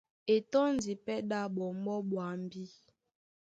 E tɔ́ndi pɛ́ ɗá ɓɔmbɔ́ ɓwambí.